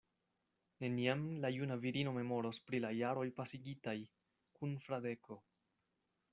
Neniam la juna virino memoros pri la jaroj pasigitaj kun Fradeko.